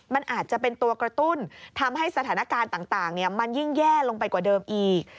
มันอาจจะเป็นตัวกระตุ้นทำให้สถานการณ์ต่างมันยิ่งแย่ลงไปกว่าเดิมอีก